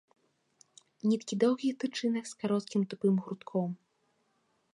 Ніткі доўгіх тычынак з кароткім тупым грудком.